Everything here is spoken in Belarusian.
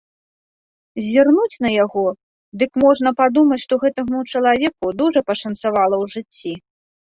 Зірнуць на яго, дык можна падумаць, што гэтаму чалавеку дужа пашанцавала ў жыцці.